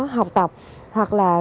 học tập hoặc là